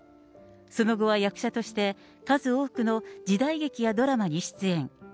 その後は役者として、数多くの時代劇やドラマに出演。